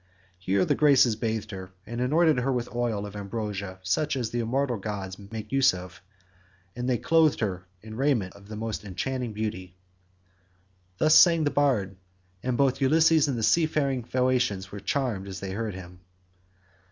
Here the Graces bathed her, and anointed her with oil of ambrosia such as the immortal gods make use of, and they clothed her in raiment of the most enchanting beauty. Thus sang the bard, and both Ulysses and the seafaring Phaeacians were charmed as they heard him.